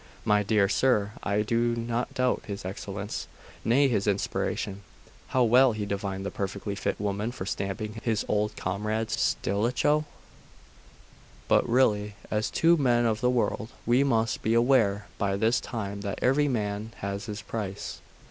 'My dear sir, I do not doubt his excellence nay, his inspiration. How well he divined the perfectly fit moment for stabbing his old comrade Stilicho! But really, as two men of the world, we must be aware by this time that every man has his price.